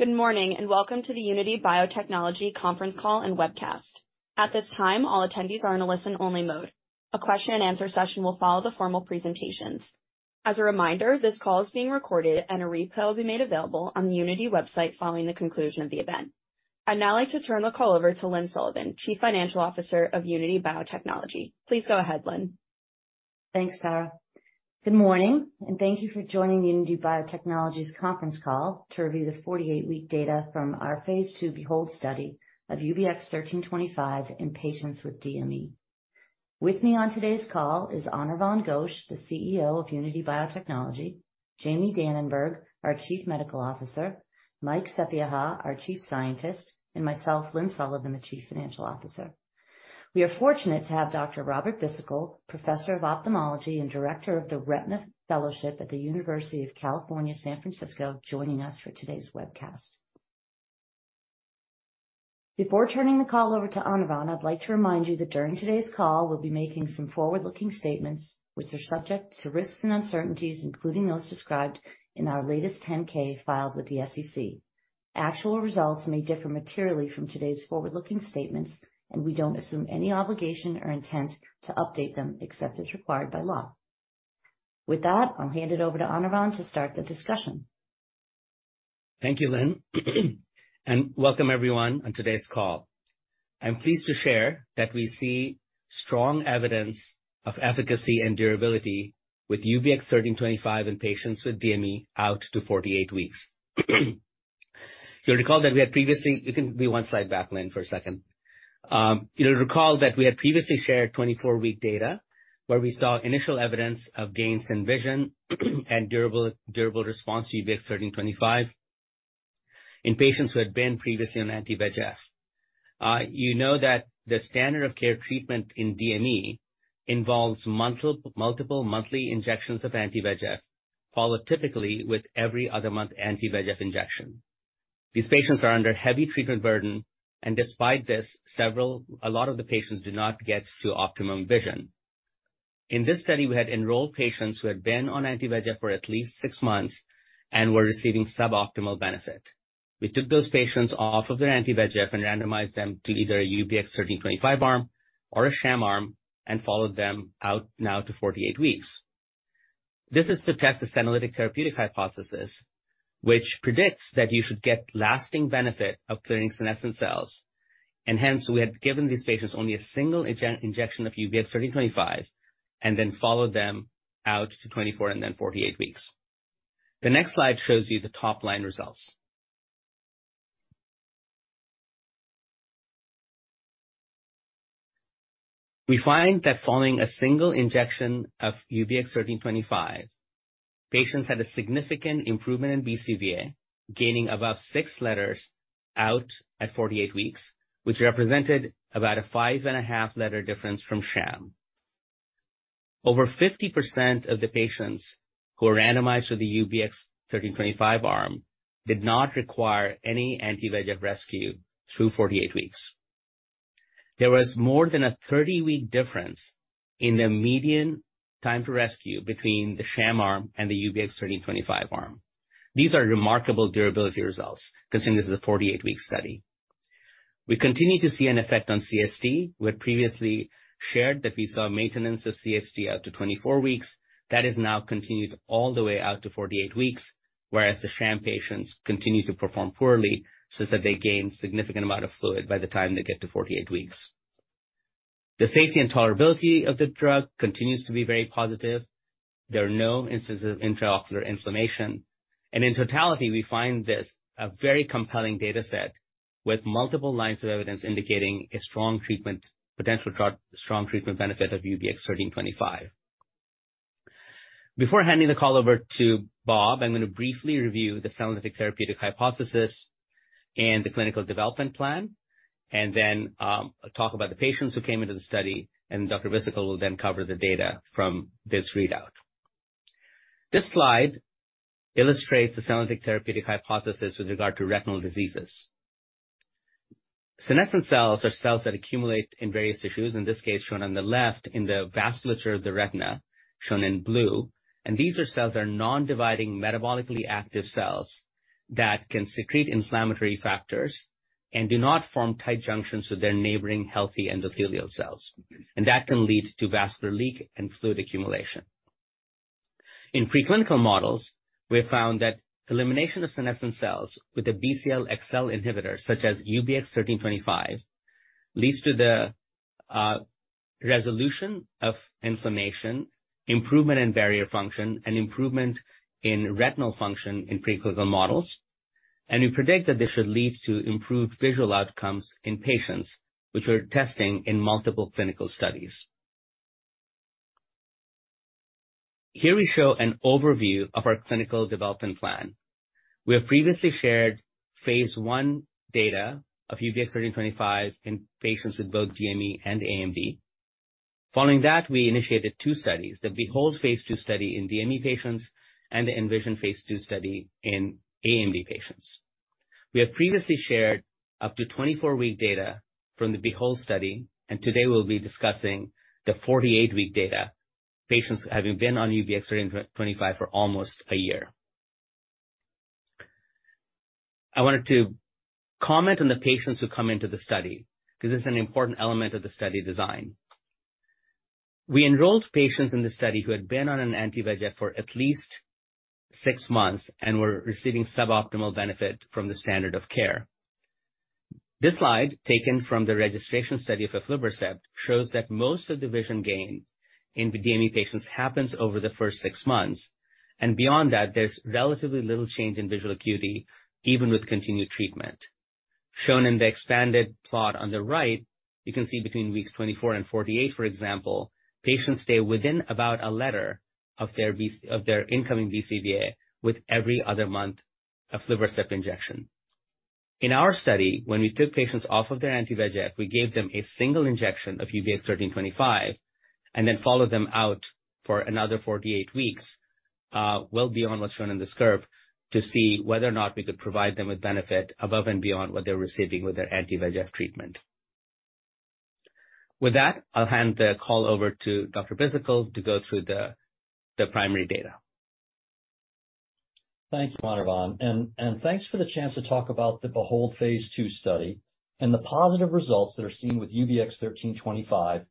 Good morning, and welcome to the Unity Biotechnology Conference Call and Webcast. At this time, all attendees are in a listen-only mode. A question-and-answer session will follow the formal presentations. As a reminder, this call is being recorded, and a replay will be made available on the Unity website following the conclusion of the event. I'd now like to turn the call over to Lynne Sullivan, Chief Financial Officer of Unity Biotechnology. Please go ahead, Lynne. Thanks, Sarah. Good morning, and thank you for joining Unity Biotechnology's conference call to review the 48-week data from our Phase 2 BEHOLD study of UBX1325 in patients with DME. With me on today's call is Anirvan Ghosh, the CEO of Unity Biotechnology, Jamie Dananberg, our Chief Medical Officer, Mike Sapieha, our Chief Scientist, and myself, Lynne Sullivan, the Chief Financial Officer. We are fortunate to have Dr. Robert Bhisitkul, Professor of Ophthalmology and Director of the Retina Fellowship at the University of California, San Francisco, joining us for today's webcast. Before turning the call over to Anirvan, I'd like to remind you that during today's call, we'll be making some forward-looking statements which are subject to risks and uncertainties, including those described in our latest 10-K filed with the SEC. Actual results may differ materially from today's forward-looking statements, and we don't assume any obligation or intent to update them except as required by law. With that, I'll hand it over to Anirvan to start the discussion. Thank you, Lynne. Welcome everyone on today's call. I'm pleased to share that we see strong evidence of efficacy and durability with UBX1325 in patients with DME out to 48 weeks. You can be one slide back, Lynne, for a second. You'll recall that we had previously shared 24-week data where we saw initial evidence of gains in vision and durable response to UBX1325 in patients who had been previously on anti-VEGF. You know that the standard of care treatment in DME involves multiple monthly injections of anti-VEGF, followed typically with every other month anti-VEGF injection. These patients are under heavy treatment burden, despite this, a lot of the patients do not get to optimum vision. In this study, we had enrolled patients who had been on anti-VEGF for at least six months and were receiving suboptimal benefit. We took those patients off of their anti-VEGF and randomized them to either a UBX1325 arm or a sham arm and followed them out now to 48 weeks. This is to test the senolytic therapeutic hypothesis, which predicts that you should get lasting benefit of clearing senescent cells. Hence, we had given these patients only a single injection of UBX1325 and then followed them out to 24 and then 48 weeks. The next slide shows you the top-line results. We find that following a single injection of UBX1325, patients had a significant improvement in BCVA, gaining above six letters out at 48 weeks, which represented about a five and a half letter difference from sham. Over 50% of the patients who were randomized to the UBX1325 arm did not require any anti-VEGF rescue through 48 weeks. There was more than a 30-week difference in the median time to rescue between the sham arm and the UBX1325 arm. These are remarkable durability results, considering this is a 48-week study. We continue to see an effect on CST. We had previously shared that we saw maintenance of CST out to 24 weeks. That has now continued all the way out to 48 weeks, whereas the sham patients continue to perform poorly such that they gain significant amount of fluid by the time they get to 48 weeks. The safety and tolerability of the drug continues to be very positive. There are no instances of intraocular inflammation. In totality, we find this a very compelling data set with multiple lines of evidence indicating a strong treatment benefit of UBX1325. Before handing the call over to Bob, I'm going to briefly review the senolytic therapeutic hypothesis and the clinical development plan, talk about the patients who came into the study, Dr. Bhisitkul will then cover the data from this readout. This slide illustrates the senolytic therapeutic hypothesis with regard to retinal diseases. Senescent cells are cells that accumulate in various tissues, in this case, shown on the left in the vasculature of the retina, shown in blue. These cells are non-dividing, metabolically active cells that can secrete inflammatory factors and do not form tight junctions with their neighboring healthy endothelial cells. That can lead to vascular leak and fluid accumulation. In preclinical models, we have found that elimination of senescent cells with a Bcl-xL inhibitor, such as UBX1325, leads to the resolution of inflammation, improvement in barrier function, and improvement in retinal function in preclinical models. We predict that this should lead to improved visual outcomes in patients, which we're testing in multiple clinical studies. Here we show an overview of our clinical development plan. We have previously shared Phase 1 data of UBX1325 in patients with both DME and AMD. Following that, we initiated two studies, the BEHOLD Phase 2 study in DME patients and the ENVISION Phase 2 study in AMD patients. We have previously shared up to 24-week data from the BEHOLD study. Today we'll be discussing the 48-week data, patients having been on UBX1325 for almost a year. I wanted to comment on the patients who come into the study because this is an important element of the study design. We enrolled patients in the study who had been on an anti-VEGF for at least six months and were receiving suboptimal benefit from the standard of care. This slide, taken from the registration study of aflibercept, shows that most of the vision gain in DME patients happens over the first six months. Beyond that, there's relatively little change in visual acuity, even with continued treatment. Shown in the expanded plot on the right, you can see between weeks 24 and 48, for example, patients stay within about a letter of their incoming BCVA with every other month aflibercept injection. In our study, when we took patients off of their anti-VEGF, we gave them a single injection of UBX1325 and then followed them out for another 48 weeks, well beyond what's shown in this curve, to see whether or not we could provide them with benefit above and beyond what they're receiving with their anti-VEGF treatment. With that, I'll hand the call over to Dr. Bhisitkul to go through the primary data. Thank you, Anirvan, and thanks for the chance to talk about the BEHOLD Phase 2 study and the positive results that are seen with UBX1325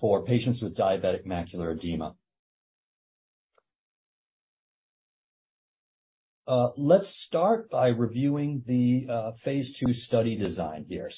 for patients with diabetic macular edema. Let's start by reviewing the Phase 2 study design here.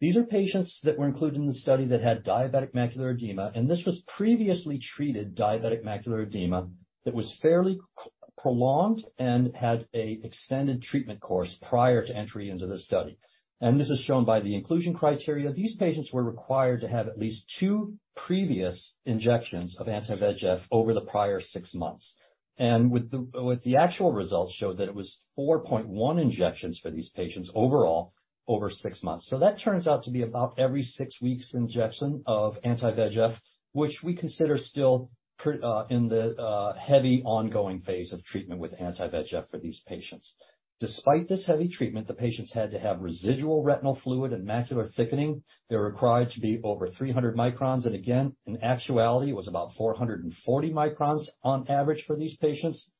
These are patients that were included in the study that had diabetic macular edema, and this was previously treated diabetic macular edema that was fairly QT-prolonged and had a extended treatment course prior to entry into the study. This is shown by the inclusion criteria. These patients were required to have at least two previous injections of anti-VEGF over the prior six months. With the actual results showed that it was 4.1 injections for these patients overall over six months. That turns out to be about every six weeks injection of anti-VEGF, which we consider still in the heavy ongoing phase of treatment with anti-VEGF for these patients. Despite this heavy treatment, the patients had to have residual retinal fluid and macular thickening. They were required to be over 300 microns, and again, in actuality, it was about 440 microns on average for these patients.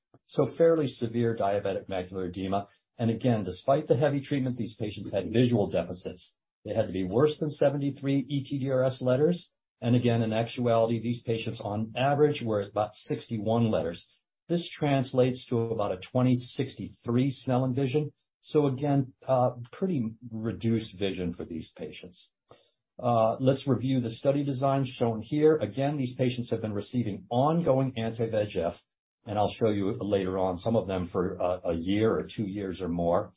Fairly severe diabetic macular edema. Again, despite the heavy treatment, these patients had visual deficits. They had to be worse than 73 ETDRS letters. Again, in actuality, these patients on average were at about 61 letters. This translates to about a 20/63 Snellen vision. Again, pretty reduced vision for these patients. Let's review the study design shown here. Again, these patients have been receiving ongoing anti-VEGF, and I'll show you later on some of them for a year or two years or more.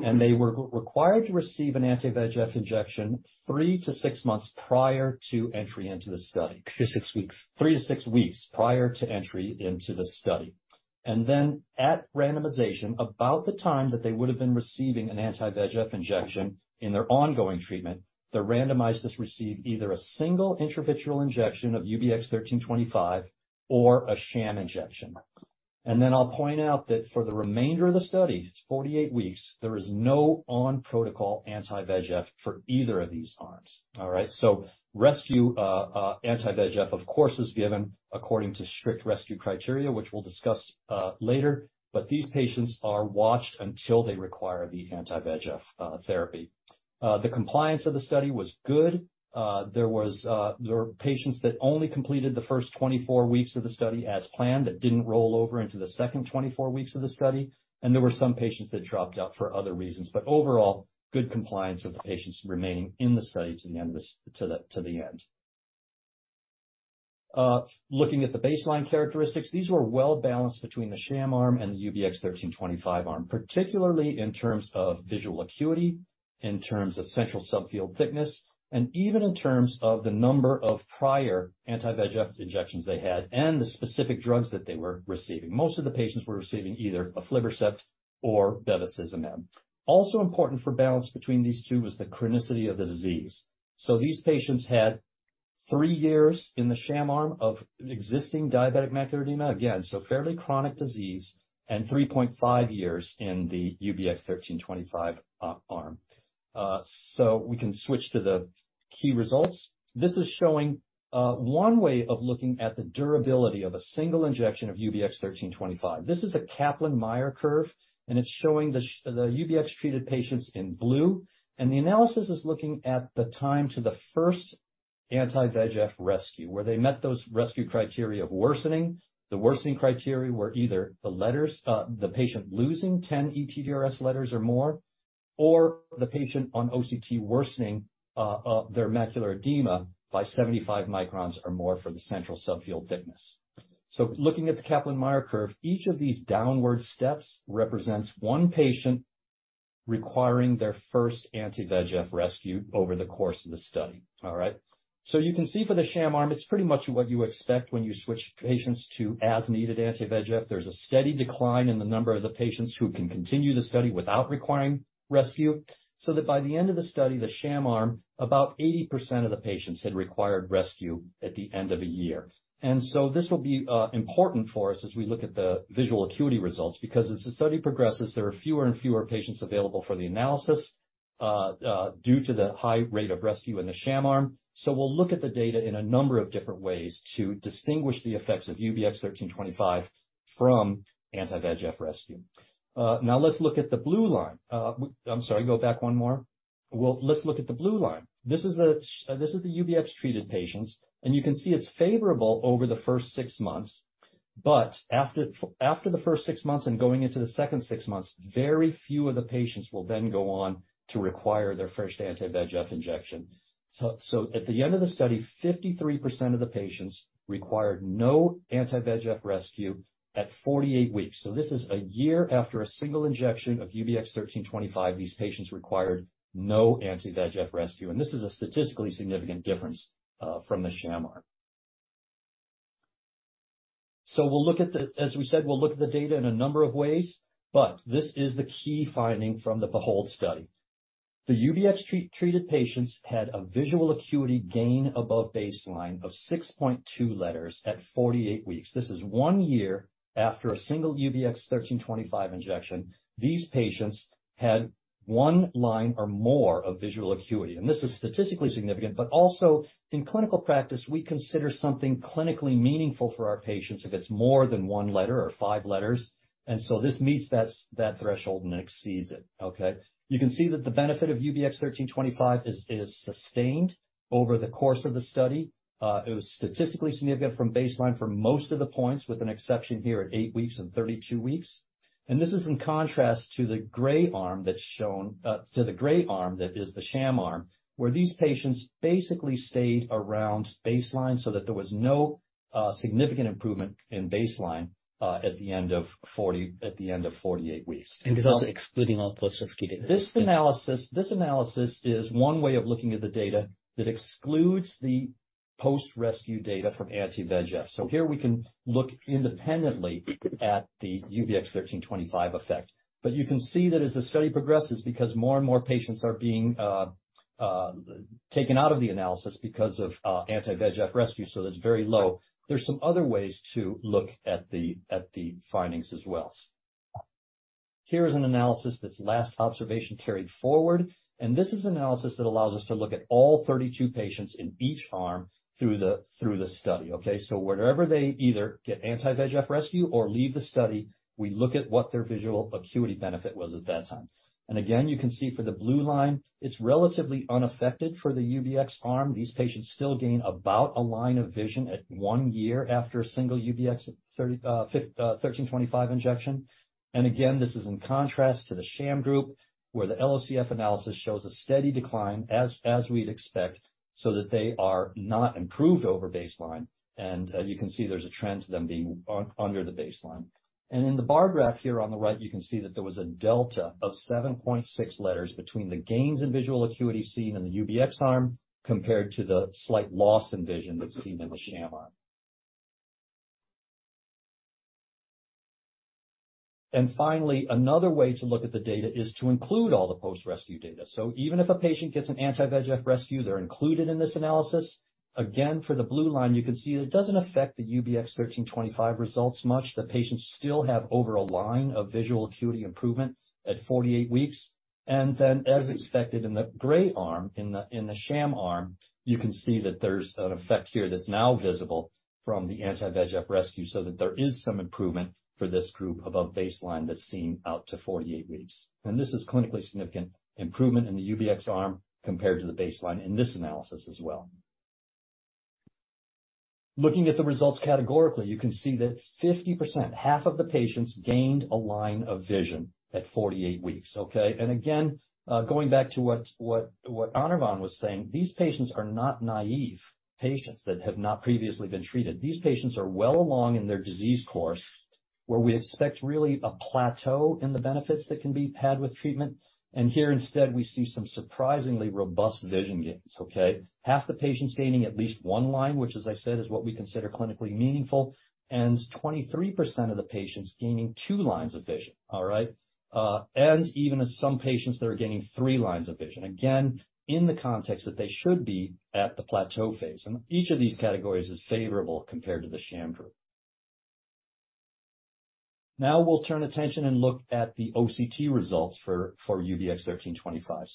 They were required to receive an anti-VEGF injection three to six months prior to entry into the study. Three to six weeks. Three to six weeks prior to entry into the study. At randomization, about the time that they would have been receiving an anti-VEGF injection in their ongoing treatment, they're randomized to receive either a single intravitreal injection of UBX1325 or a sham injection. I'll point out that for the remainder of the study, 48 weeks, there is no on-protocol anti-VEGF for either of these arms. All right. Rescue anti-VEGF, of course, is given according to strict rescue criteria, which we'll discuss later. These patients are watched until they require the anti-VEGF therapy. The compliance of the study was good. There were patients that only completed the first 24 weeks of the study as planned, that didn't roll over into the second 24 weeks of the study. There were some patients that dropped out for other reasons. Overall, good compliance of the patients remaining in the study to the end. Looking at the baseline characteristics, these were well-balanced between the sham arm and the UBX1325 arm, particularly in terms of visual acuity, in terms of central subfield thickness, and even in terms of the number of prior anti-VEGF injections they had and the specific drugs that they were receiving. Most of the patients were receiving either aflibercept or bevacizumab. Important for balance between these two was the chronicity of the disease. These patients had three years in the sham arm of existing diabetic macular edema. Again, fairly chronic disease and 3.5 years in the UBX1325 arm. We can switch to the key results. This is showing one way of looking at the durability of a single injection of UBX1325. This is a Kaplan-Meier curve. It's showing the UBX-treated patients in blue. The analysis is looking at the time to the first anti-VEGF rescue, where they met those rescue criteria of worsening. The worsening criteria were either the letters, the patient losing 10 ETDRS letters or more, or the patient on OCT worsening their macular edema by 75 microns or more for the central subfield thickness. Looking at the Kaplan-Meier curve, each of these downward steps represents 1 patient requiring their first anti-VEGF rescue over the course of the study. All right. You can see for the sham arm, it's pretty much what you expect when you switch patients to as-needed anti-VEGF. There's a steady decline in the number of the patients who can continue the study without requiring rescue, so that by the end of the study, the sham arm, about 80% of the patients had required rescue at the end of a year. This will be important for us as we look at the visual acuity results, because as the study progresses, there are fewer and fewer patients available for the analysis due to the high rate of rescue in the sham arm. We'll look at the data in a number of different ways to distinguish the effects of UBX1325 from anti-VEGF rescue. Now let's look at the blue line. I'm sorry, go back one more. Well, let's look at the blue line. This is the UBX-treated patients, you can see it's favorable over the first six months. After the first six months and going into the second six months, very few of the patients will then go on to require their first anti-VEGF injection. At the end of the study, 53% of the patients required no anti-VEGF rescue at 48 weeks. This is a year after a single injection of UBX1325. These patients required no anti-VEGF rescue, this is a statistically significant difference from the sham arm. As we said, we'll look at the data in a number of ways, this is the key finding from the BEHOLD study. The UBX-treated patients had a visual acuity gain above baseline of 6.2 letters at 48 weeks. This is one year after a single UBX1325 injection. These patients had one line or more of visual acuity, and this is statistically significant. Also in clinical practice we consider something clinically meaningful for our patients if it's more than one letter or five letters, and so this meets that threshold and exceeds it, okay. You can see that the benefit of UBX1325 is sustained over the course of the study. It was statistically significant from baseline for most of the points, with an exception here at eight weeks and 32 weeks. This is in contrast to the gray arm that's shown to the gray arm, that is the sham arm, where these patients basically stayed around baseline so that there was no significant improvement in baseline at the end of 40, at the end of 48 weeks. It's also excluding all post-rescue data. This analysis is one way of looking at the data that excludes the post-rescue data from anti-VEGF. Here we can look independently at the UBX1325 effect. You can see that as the study progresses, because more and more patients are being taken out of the analysis because of anti-VEGF rescue, that's very low. There's some other ways to look at the findings as well. Here is an analysis that's last observation carried forward, this is analysis that allows us to look at all 32 patients in each arm through the study, okay. Wherever they either get anti-VEGF rescue or leave the study, we look at what their visual acuity benefit was at that time. Again, you can see for the blue line, it's relatively unaffected for the UBX arm. These patients still gain about a line of vision at one year after a single UBX1325 injection. Again, this is in contrast to the sham group, where the LOCF analysis shows a steady decline as we'd expect, so that they are not improved over baseline. You can see there's a trend to them being under the baseline. In the bar graph here on the right, you can see that there was a delta of 7.6 letters between the gains in visual acuity seen in the UBX arm compared to the slight loss in vision that's seen in the sham arm. Finally, another way to look at the data is to include all the post-rescue data. Even if a patient gets an anti-VEGF rescue, they're included in this analysis. For the blue line, you can see that it doesn't affect the UBX1325 results much. The patients still have over a line of visual acuity improvement at 48 weeks. Then as expected in the gray arm, in the sham arm, you can see that there's an effect here that's now visible from the anti-VEGF rescue, so that there is some improvement for this group above baseline that's seen out to 48 weeks. This is clinically significant improvement in the UBX arm compared to the baseline in this analysis as well. Looking at the results categorically, you can see that 50%, half of the patients, gained a line of vision at 48 weeks, okay. Again, going back to what Anirvan was saying, these patients are not naive patients that have not previously been treated. These patients are well along in their disease course, where we expect really a plateau in the benefits that can be had with treatment. Here instead, we see some surprisingly robust vision gains, okay? Half the patients gaining at least one line, which as I said, is what we consider clinically meaningful, and 23% of the patients gaining two lines of vision. All right? Even some patients that are gaining three lines of vision, again, in the context that they should be at the plateau phase. Each of these categories is favorable compared to the sham group. Now, we'll turn attention and look at the OCT results for UBX1325.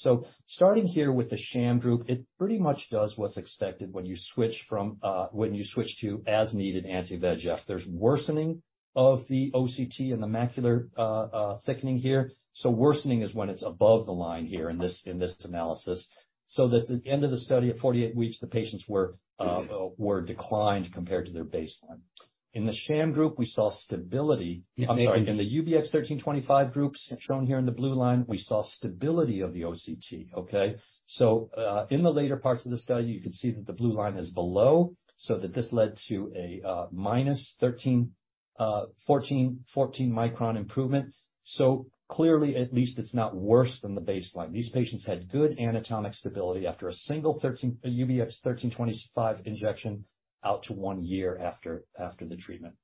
Starting here with the sham group, it pretty much does what's expected when you switch from, when you switch to as-needed anti-VEGF. There's worsening of the OCT and the macular thickening here. Worsening is when it's above the line here in this analysis, so that at the end of the study at 48 weeks, the patients were declined compared to their baseline. In the sham group, we saw stability. I'm sorry. In the UBX1325 groups shown here in the blue line, we saw stability of the OCT, okay. In the later parts of the study, you can see that the blue line is below, so that this led to a -13, 14 micron improvement. Clearly, at least it's not worse than the baseline. These patients had good anatomic stability after a single UBX1325 injection out to one year after the treatment.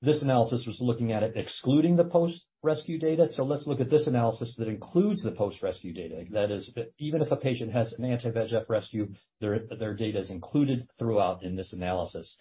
This analysis was looking at it excluding the post-rescue data. Let's look at this analysis that includes the post-rescue data. That is, even if a patient has an anti-VEGF rescue, their data is included throughout in this analysis.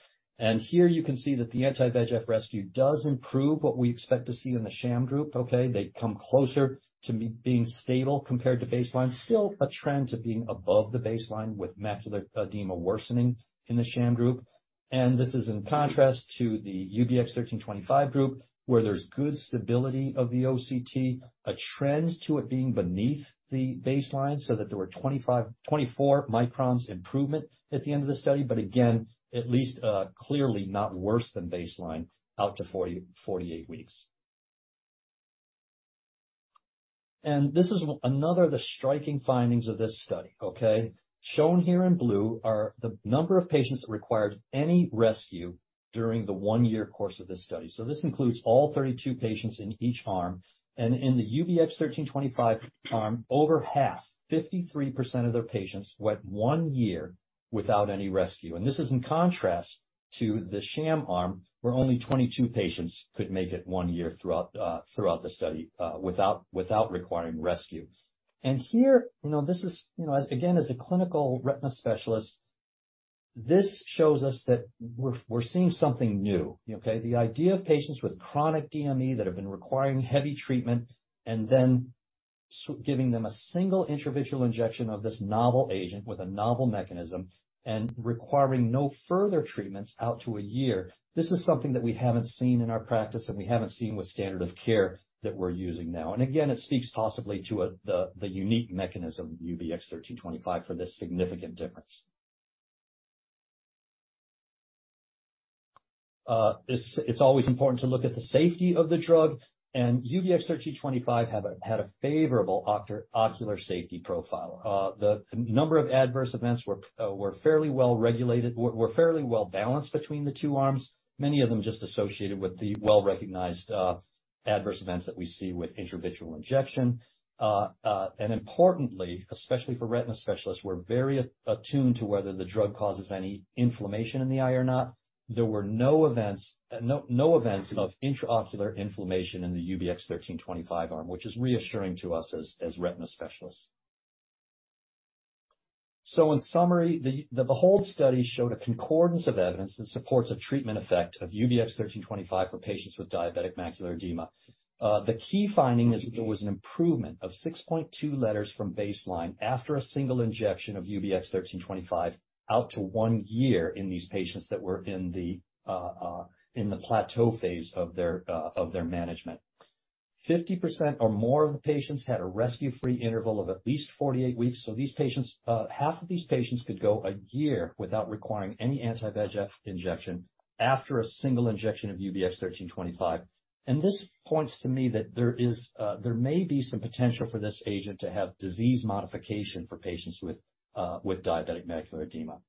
Here, you can see that the anti-VEGF rescue does improve what we expect to see in the sham group. Okay? They come closer to being stable compared to baseline. Still a trend to being above the baseline with macular edema worsening in the sham group. This is in contrast to the UBX1325 group, where there's good stability of the OCT, a trend to it being beneath the baseline so that there were 24 microns improvement at the end of the study, but again, at least, clearly not worse than baseline out to 40-48 weeks. This is another of the striking findings of this study, okay? Shown here in blue are the number of patients that required any rescue during the one-year course of this study. This includes all 32 patients in each arm. In the UBX1325 arm, over half, 53% of their patients, went one year without any rescue. This is in contrast to the sham arm, where only 22 patients could make it one year throughout the study without requiring rescue. Here, you know, this is, you know, again, as a clinical retina specialist, this shows us that we're seeing something new, okay? The idea of patients with chronic DME that have been requiring heavy treatment and then giving them a single intravitreal injection of this novel agent with a novel mechanism and requiring no further treatments out to a year, this is something that we haven't seen in our practice, and we haven't seen with standard of care that we're using now. Again, it speaks possibly to the unique mechanism of UBX1325 for this significant difference. It's always important to look at the safety of the drug, UBX1325 had a favorable ocular safety profile. The number of adverse events were fairly well-balanced between the two arms. Many of them just associated with the well-recognized adverse events that we see with intravitreal injection. Importantly, especially for retina specialists, we're very attuned to whether the drug causes any inflammation in the eye or not. There were no events of intraocular inflammation in the UBX1325 arm, which is reassuring to us as retina specialists. In summary, the BEHOLD study showed a concordance of evidence that supports a treatment effect of UBX1325 for patients with diabetic macular edema. The key finding is there was an improvement of 6.2 letters from baseline after a single injection of UBX1325 out to 1 year in these patients that were in the plateau phase of their management. 50% or more of the patients had a rescue-free interval of at least 48 weeks. These patients, half of these patients could go a year without requiring any anti-VEGF injection after a single injection of UBX1325. This points to me that there is, there may be some potential for this agent to have disease modification for patients with diabetic macular edema.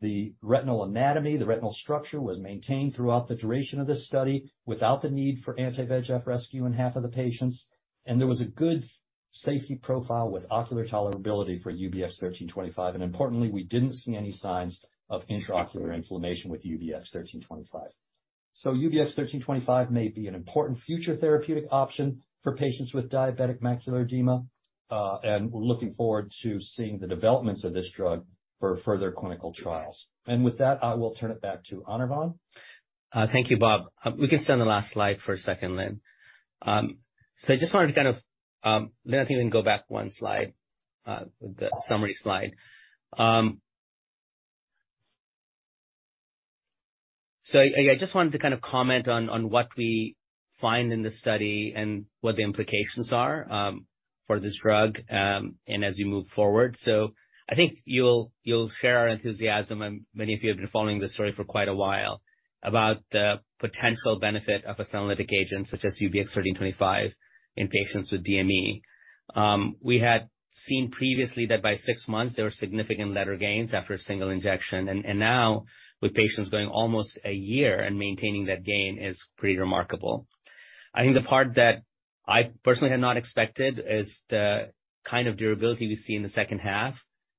The retinal anatomy, the retinal structure was maintained throughout the duration of this study without the need for anti-VEGF rescue in half of the patients. There was a good safety profile with ocular tolerability for UBX1325. Importantly, we didn't see any signs of intraocular inflammation with UBX1325. UBX1325 may be an important future therapeutic option for patients with diabetic macular edema, and we're looking forward to seeing the developments of this drug for further clinical trials. With that, I will turn it back to Anirvan. Thank you, Bob. We can stay on the last slide for a second, Lynne. I just wanted to kind of, Lynne, I think we can go back one slide, the summary slide... I just wanted to kind of comment on what we find in this study and what the implications are for this drug and as we move forward. I think you'll share our enthusiasm, and many of you have been following this story for quite a while, about the potential benefit of a senolytic agent such as UBX1325 in patients with DME. We had seen previously that by six months, there were significant letter gains after a single injection. Now with patients going almost a year and maintaining that gain is pretty remarkable. I think the part that I personally had not expected is the kind of durability we see in the second half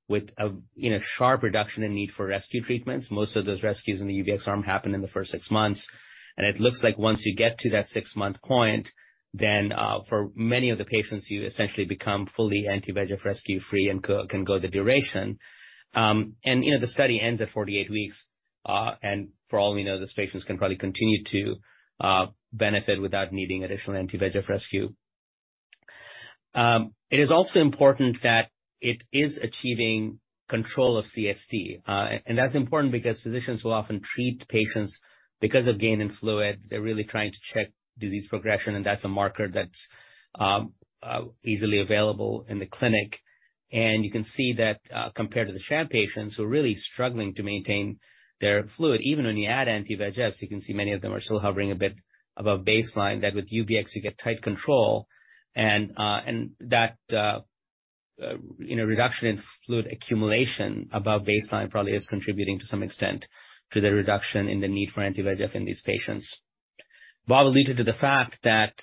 with a, you know, sharp reduction in need for rescue treatments. Most of those rescues in the UBX arm happened in the first six months. It looks like once you get to that 6-month point, then, for many of the patients, you essentially become fully anti-VEGF rescue-free and can go the duration. You know, the study ends at 48 weeks, and for all we know, these patients can probably continue to benefit without needing additional anti-VEGF rescue. It is also important that it is achieving control of CST. That's important because physicians will often treat patients because of gain in fluid. They're really trying to check disease progression, that's a marker that's easily available in the clinic. You can see that, compared to the sham patients who are really struggling to maintain their fluid, even when you add anti-VEGFs, you can see many of them are still hovering a bit above baseline. With UBX, you get tight control and that, you know, reduction in fluid accumulation above baseline probably is contributing to some extent to the reduction in the need for anti-VEGF in these patients. Bob alluded to the fact that.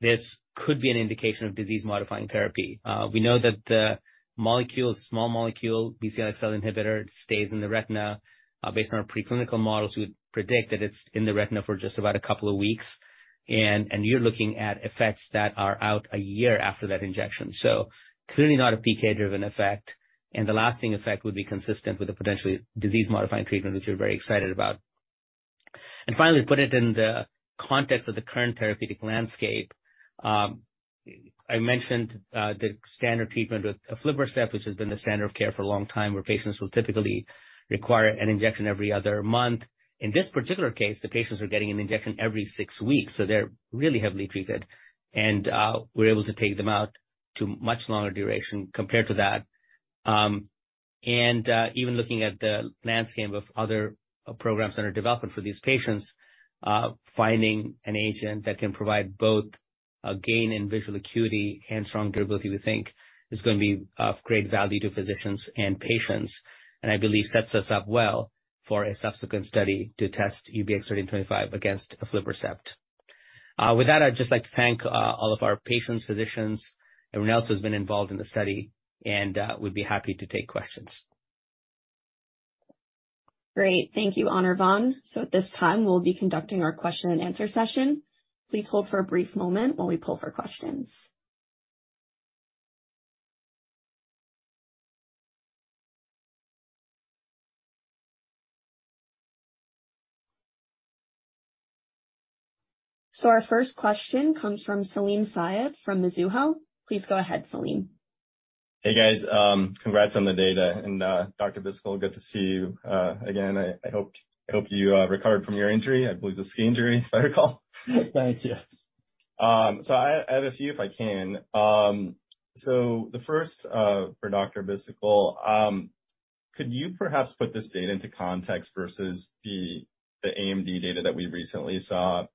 This could be an indication of disease-modifying therapy. We know that the molecule, small molecule, Bcl-xL inhibitor, stays in the retina. Based on our preclinical models, we would predict that it's in the retina for just about two weeks. You're looking at effects that are out a year after that injection. Clearly not a PK-driven effect. The lasting effect would be consistent with a potentially disease-modifying treatment, which we're very excited about. I mentioned the standard treatment with aflibercept, which has been the standard of care for a long time, where patients will typically require an injection every other month. In this particular case, the patients are getting an injection every six weeks, so they're really heavily treated. We're able to take them out to much longer duration compared to that. Even looking at the landscape of other programs that are developed for these patients, finding an agent that can provide both a gain in visual acuity and strong durability, we think is going to be of great value to physicians and patients. I believe sets us up well for a subsequent study to test UBX1325 against aflibercept. With that, I'd just like to thank all of our patients, physicians, everyone else who's been involved in the study, and we'd be happy to take questions. Great. Thank you, Anirvan. At this time, we'll be conducting our question and answer session. Please hold for a brief moment while we pull for questions. Our first question comes from Salim Syed from Mizuho. Please go ahead, Salim. Hey, guys. congrats on the data. Dr. Bhisitkul, good to see you again. I hope you recovered from your injury. I believe it's a ski injury, if I recall. Thank you. I have a few, if I can. The first, for Dr. Bhisitkul. Could you perhaps put this data into context versus the AMD data that we recently saw?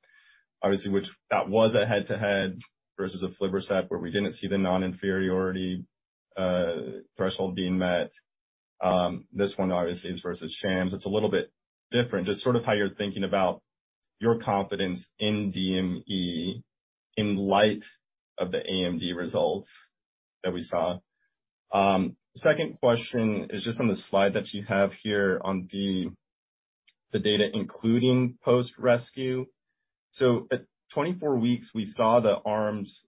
Obviously, which that was a head-to-head versus aflibercept, where we didn't see the non-inferiority threshold being met. This one obviously is versus shams. It's a little bit different, just sort of how you're thinking about your confidence in DME in light of the AMD results that we saw. Second question is just on the slide that you have here on the data, including post rescue. At 24 weeks, we saw the arms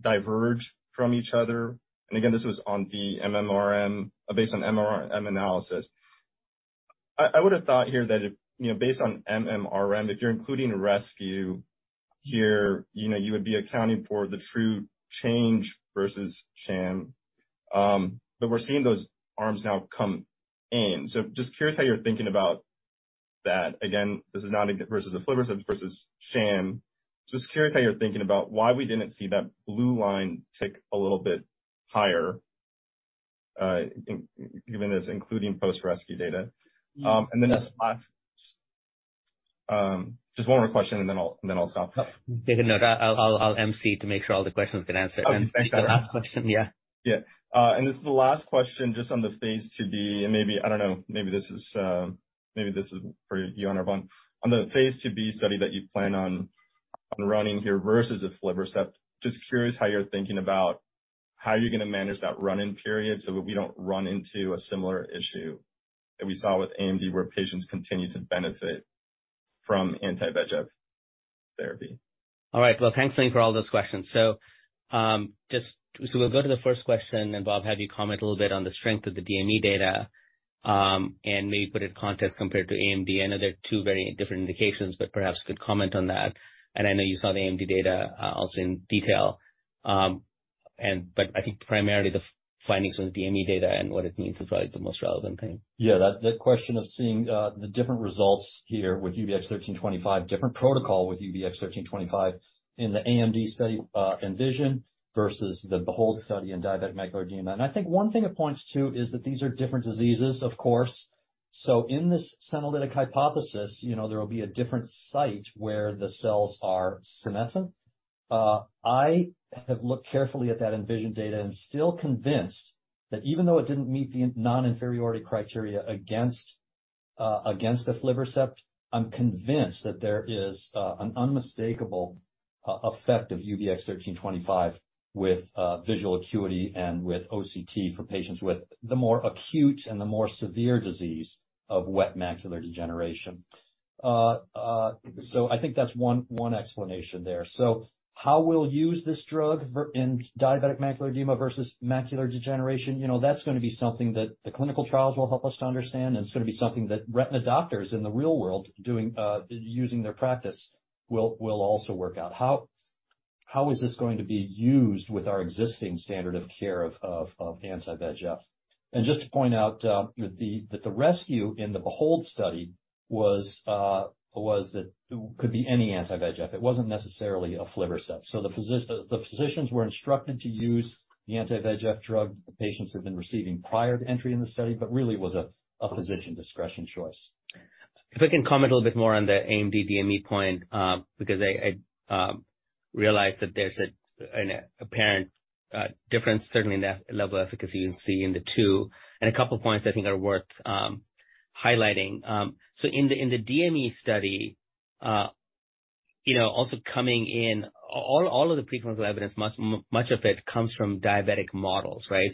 diverge from each other. Again, this was on the MMRM, based on MMRM analysis. I would have thought here that if, you know, based on MMRM, if you're including rescue here, you know, you would be accounting for the true change versus sham. We're seeing those arms now come in. Just curious how you're thinking about that. Again, this is not versus aflibercept versus sham. Just curious how you're thinking about why we didn't see that blue line tick a little bit higher, given it's including post rescue data. Just last... Just one more question, and then I'll, and then I'll stop. Make a note. I'll ask emcee to make sure all the questions get answered. Oh. The last question. Yeah. Yeah. This is the last question just on the Phase 2b, and maybe, I don't know, maybe this is, maybe this is for you, Anirvan. On the Phase 2b study that you plan on running here versus aflibercept. Just curious how you're thinking about how you're gonna manage that run-in period so that we don't run into a similar issue that we saw with AMD, where patients continue to benefit from anti-VEGF therapy? All right. Well, thanks, Salim, for all those questions. Just so we'll go to the first question, and Bob, have you comment a little bit on the strength of the DME data, and maybe put in context compared to AMD. I know they're two very different indications, but perhaps you could comment on that. I know you saw the AMD data also in detail. But I think primarily the findings from the DME data and what it means is probably the most relevant thing. Yeah, that question of seeing the different results here with UBX1325, different protocol with UBX1325 in the AMD study, ENVISION versus the BEHOLD study in diabetic macular edema. I think one thing it points to is that these are different diseases, of course. In this senolytic hypothesis, you know, there will be a different site where the cells are senescent. I have looked carefully at that ENVISION data and still convinced that even though it didn't meet the non-inferiority criteria against aflibercept, I'm convinced that there is an unmistakable effect of UBX1325 with visual acuity and with OCT for patients with the more acute and the more severe disease of wet macular degeneration. I think that's one explanation there. How we'll use this drug in diabetic macular edema versus macular degeneration, you know, that's gonna be something that the clinical trials will help us to understand, and it's gonna be something that retina doctors in the real world doing, using their practice will also work out. How is this going to be used with our existing standard of care of anti-VEGF? Just to point out that the rescue in the BEHOLD study was that it could be any anti-VEGF. It wasn't necessarily aflibercept. The physicians were instructed to use the anti-VEGF drug the patients had been receiving prior to entry in the study, but really it was a physician discretion choice. If I can comment a little bit more on the AMD DME point, because I realized that there's an apparent difference certainly in the level of efficacy you can see in the two, and a couple of points I think are worth highlighting. In the DME study, you know, also coming in, all of the preclinical evidence much of it comes from diabetic models, right?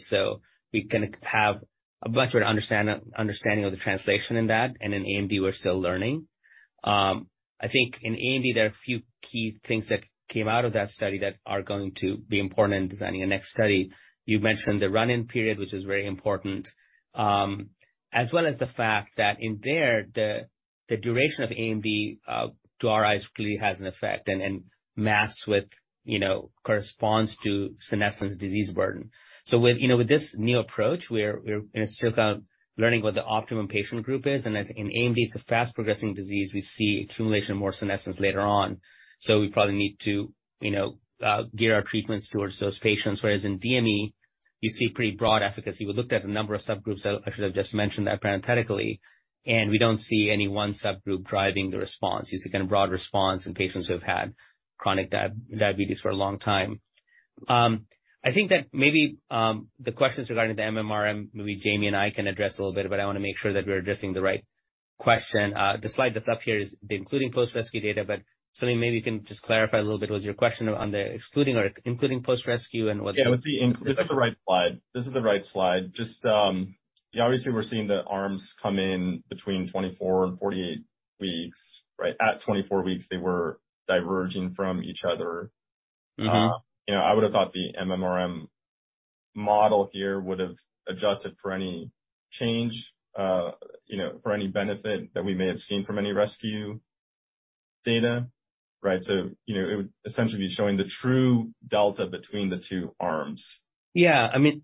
We can have a much better understanding of the translation in that. In AMD, we're still learning. I think in AMD there are a few key things that came out of that study that are going to be important in designing a next study. You mentioned the run-in period, which is very important, as well as the fact that in there the duration of AMD, to our eyes clearly has an effect and matches with, you know, corresponds to senescence disease burden. With, you know, with this new approach, we're still kind of learning what the optimum patient group is, and in AMD, it's a fast progressing disease. We see accumulation of more senescence later on. We probably need to, you know, gear our treatments towards those patients. Whereas in DME, you see pretty broad efficacy. We looked at a number of subgroups, I should have just mentioned that parenthetically. We don't see any one subgroup driving the response. You see kind of broad response in patients who have had chronic diabetes for a long time. I think that maybe the questions regarding the MMRM, maybe Jamie and I can address a little bit, but I want to make sure that we're addressing the right question. The slide that's up here is the including post-rescue data, but Salim, maybe you can just clarify a little bit. Was your question on the excluding or including post-rescue and what- Yeah, This is the right slide. Just, yeah, obviously we're seeing the arms come in between 24 and 48 weeks, right? At 24 weeks, they were diverging from each other. Mm-hmm. You know, I would have thought the MMRM model here would have adjusted for any change, you know, for any benefit that we may have seen from any rescue data. Right? You know, it would essentially be showing the true delta between the two arms. Yeah. I mean,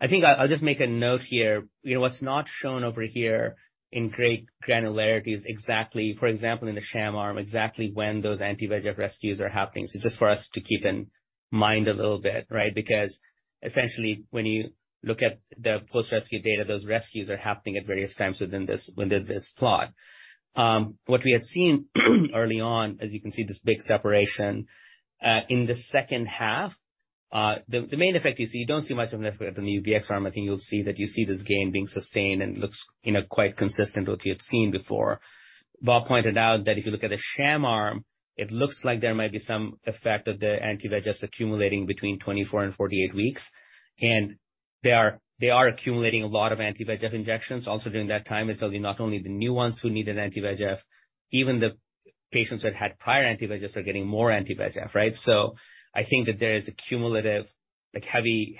I think I'll just make a note here. You know, what's not shown over here in great granularity is exactly, for example, in the sham arm, exactly when those anti-VEGF rescues are happening. Just for us to keep in mind a little bit, right? Because essentially, when you look at the post-rescue data, those rescues are happening at various times within this, within this plot. What we had seen early on, as you can see, this big separation in the second half. The main effect you see, you don't see much of an effect on the UBX arm. I think you'll see that you see this gain being sustained and looks, you know, quite consistent with what you had seen before. Bob pointed out that if you look at the sham arm, it looks like there might be some effect of the anti-VEGFs accumulating between 24 and 48 weeks. They are accumulating a lot of anti-VEGF injections also during that time. It tells you not only the new ones who need an anti-VEGF, even the patients who have had prior anti-VEGF are getting more anti-VEGF, right? I think that there is a cumulative, like, heavy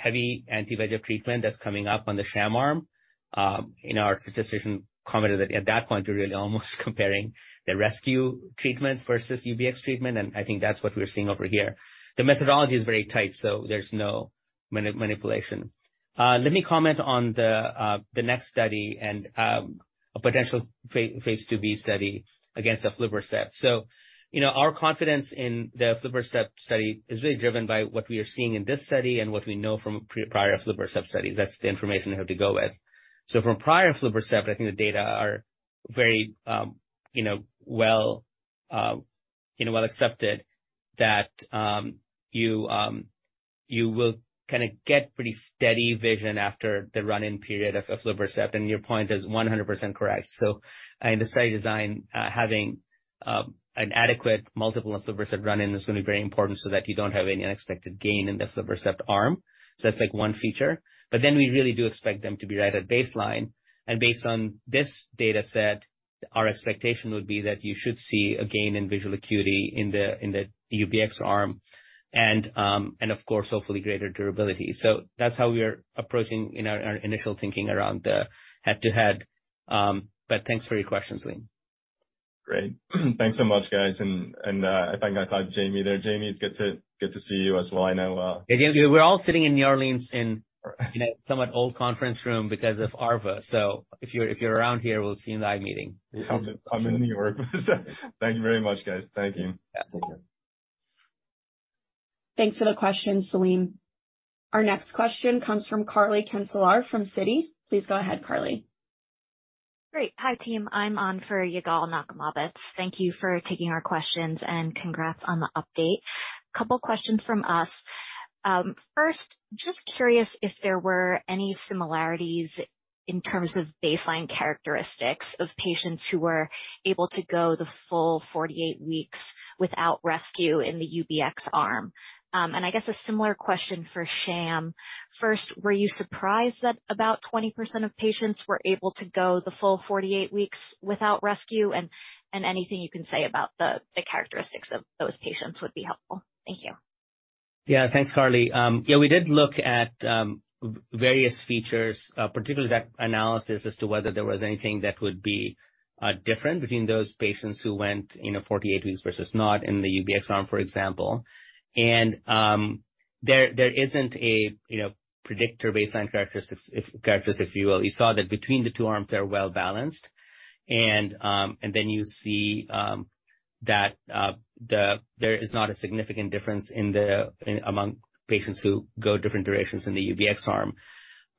anti-VEGF treatment that's coming up on the sham arm. Our statistician commented that at that point, we're really almost comparing the rescue treatments versus UBX treatment. I think that's what we're seeing over here. The methodology is very tight, so there's no manipulation. Let me comment on the next study and a potential Phase 2b study against aflibercept. You know, our confidence in the aflibercept study is really driven by what we are seeing in this study and what we know from prior aflibercept studies. That's the information we have to go with. From prior aflibercept, I think the data are very, you know, well, you know, well accepted that you will kind of get pretty steady vision after the run-in period of aflibercept. Your point is 100% correct. In the study design, having an adequate multiple of aflibercept run-in is going to be very important so that you don't have any unexpected gain in the aflibercept arm. That's, like, one feature. We really do expect them to be right at baseline. Based on this data set, our expectation would be that you should see a gain in visual acuity in the UBX arm and of course, hopefully greater durability. That's how we are approaching in our initial thinking around the head-to-head. Thanks for your question, Salim. Great. Thanks so much, guys. I think I saw Jamie there. Jamie, it's good to see you as well. I know. We're all sitting in New Orleans in a somewhat old conference room because of ARVO. If you're around here, we'll see you in live meeting. I'm in New York. Thank you very much, guys. Thank you. Yeah. Take care. Thanks for the question, Saleem. Our next question comes from Carly Kenselaar from Citi. Please go ahead, Carly. Great. Hi, team. I'm on for Ygal Nochomovitz. Thank you for taking our questions. Congrats on the update. Couple questions from us. First, just curious if there were any similarities in terms of baseline characteristics of patients who were able to go the full 48 weeks without rescue in the UBX arm. I guess a similar question for sham. First, were you surprised that about 20% of patients were able to go the full 48 weeks without rescue? Anything you can say about the characteristics of those patients would be helpful. Thank you. Yeah. Thanks, Carly. we did look at various features, particularly that analysis as to whether there was anything that would be different between those patients who went, you know, 48 weeks versus not in the UBX arm, for example. There isn't a, you know, predictor baseline characteristics, characteristic, if you will. You saw that between the two arms, they're well-balanced. Then you see there is not a significant difference among patients who go different durations in the UBX arm.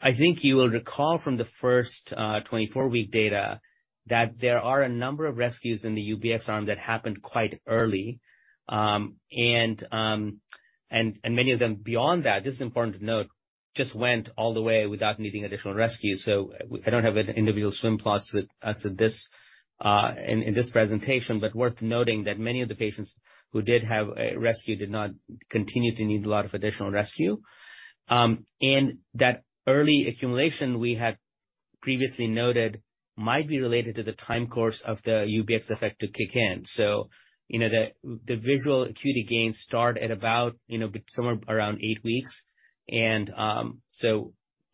I think you will recall from the first, 24-week data that there are a number of rescues in the UBX arm that happened quite early. and many of them beyond that, this is important to note. Just went all the way without needing additional rescue. So, I don't have individual swim plots with us at this in this presentation, but worth noting that many of the patients who did have a rescue did not continue to need a lot of additional rescue. That early accumulation we had previously noted might be related to the time course of the UBX effect to kick in. You know, the visual acuity gains start at about, you know, somewhere around eight weeks.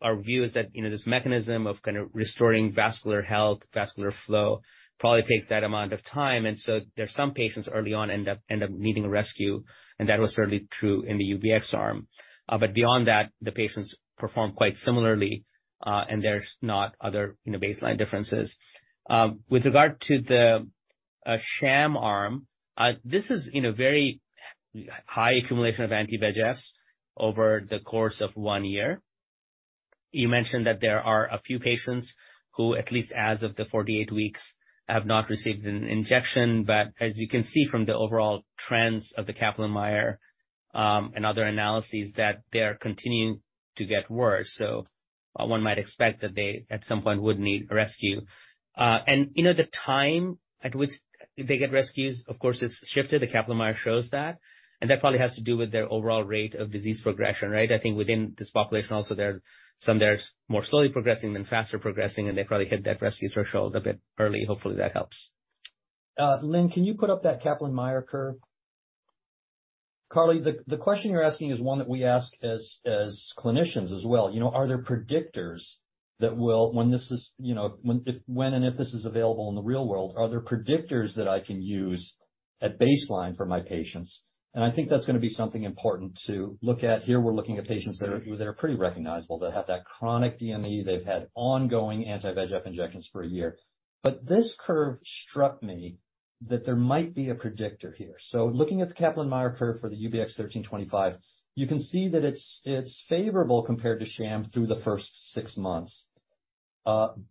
Our view is that, you know, this mechanism of kind of restoring vascular health, vascular flow, probably takes that amount of time. There's some patients early on end up needing a rescue, and that was certainly true in the UBX arm. Beyond that, the patients perform quite similarly, and there's not other, you know, baseline differences. With regard to the sham arm, this is in a very high accumulation of anti-VEGF over the course of 1 year. You mentioned that there are a few patients who, at least as of the 48 weeks, have not received an injection. As you can see from the overall trends of the Kaplan-Meier, and other analyses, that they are continuing to get worse. One might expect that they, at some point, would need a rescue. You know, the time at which they get rescues, of course, is shifted. The Kaplan-Meier shows that probably has to do with their overall rate of disease progression, right? I think within this population also, there's some there's more slowly progressing than faster progressing, and they probably hit that rescue threshold a bit early. Hopefully, that helps. Lynne, can you put up that Kaplan-Meier curve? Carly, the question you're asking is one that we ask as clinicians as well. You know, are there predictors that will when this is, you know, when if, when and if this is available in the real world, are there predictors that I can use at baseline for my patients? I think that's going to be something important to look at. Here we're looking at patients that are pretty recognizable. They have that chronic DME. They've had ongoing anti-VEGF injections for a year. This curve struck me that there might be a predictor here. Looking at the Kaplan-Meier curve for the UBX1325, you can see that it's favorable compared to sham through the first six months.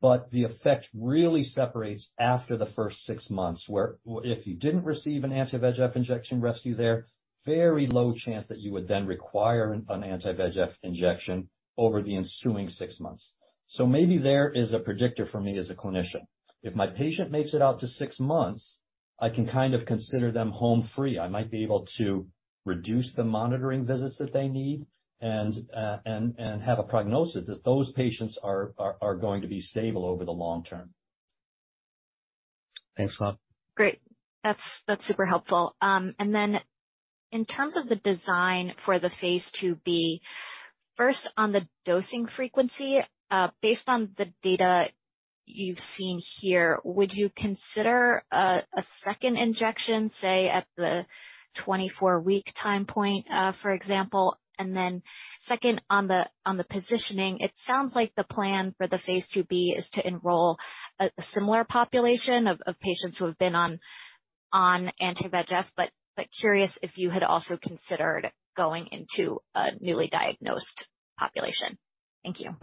The effect really separates after the first six months, where if you didn't receive an anti-VEGF injection rescue there, very low chance that you would then require an anti-VEGF injection over the ensuing six months. Maybe there is a predictor for me as a clinician. If my patient makes it out to six months, I can kind of consider them home free. I might be able to reduce the monitoring visits that they need and have a prognosis that those patients are going to be stable over the long term. Thanks, Bob. Great. That's super helpful. In terms of the design for the Phase 2b, first on the dosing frequency, based on the data you've seen here, would you consider a second injection, say at the 24-week time point, for example? Second, on the positioning, it sounds like the plan for the phase 2b is to enroll a similar population of patients who have been on anti-VEGF. Curious if you had also considered going into a newly diagnosed population. Thank you.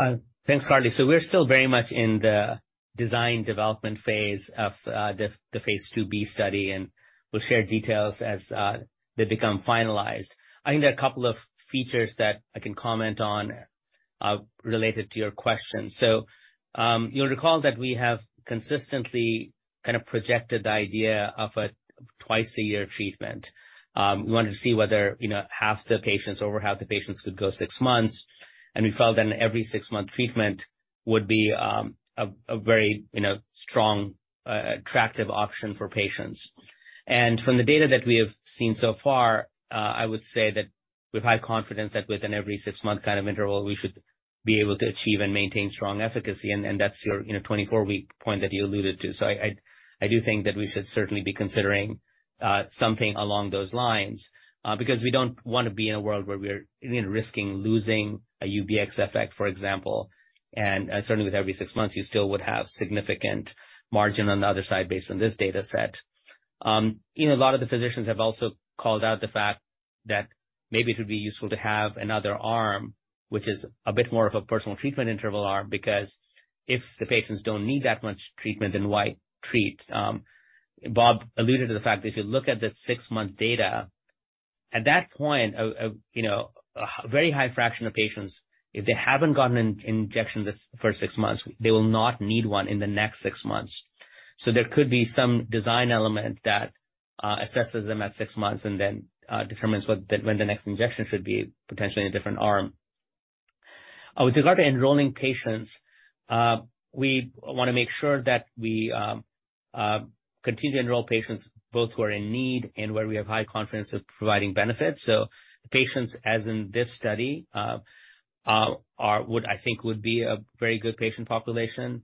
Thanks, Carly. We're still very much in the design development phase of the Phase 2b study, and we'll share details as they become finalized. I think there are a couple of features that I can comment on related to your question. You'll recall that we have consistently kind of projected the idea of a twice-a-year treatment. We wanted to see whether, you know, half the patients or over half the patients could go six months, and we felt that an every 6-month treatment would be a very, you know, strong, attractive option for patients. From the data that we have seen so far, I would say that with high confidence that within every 6-month kind of interval, we should be able to achieve and maintain strong efficacy. That's your, you know, 24-week point that you alluded to. I do think that we should certainly be considering something along those lines, because we don't want to be in a world where we're, you know, risking losing a UBX effect, for example. Certainly with every six months, you still would have significant margin on the other side based on this data set. You know, a lot of the physicians have also called out the fact that maybe it would be useful to have another arm which is a bit more of a personal treatment interval arm, because if the patients don't need that much treatment, then why treat? Bob alluded to the fact that if you look at the 6-month data, at that point, you know, a very high fraction of patients, if they haven't gotten an injection this first six months, they will not need one in the next six months. There could be some design element that assesses them at six months and then determines when the next injection should be, potentially in a different arm. With regard to enrolling patients, we want to make sure that we continue to enroll patients both who are in need and where we have high confidence of providing benefits. Patients, as in this study, I think would be a very good patient population.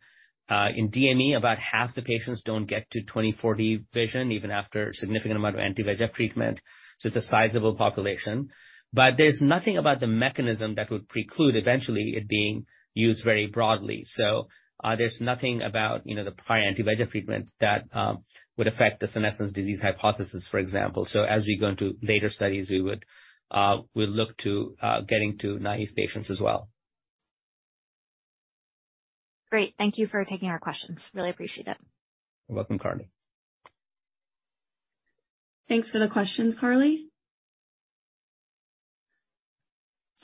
In DME, about half the patients don't get to 20/40 vision, even after a significant amount of anti-VEGF treatment. It's a sizable population. There's nothing about the mechanism that would preclude eventually it being used very broadly. There's nothing about, you know, the prior anti-VEGF treatment that would affect the senescence disease hypothesis, for example. As we go into later studies, we would, we'll look to getting to naive patients as well. Great. Thank you for taking our questions. Really appreciate it. You're welcome, Carly. Thanks for the questions, Carly.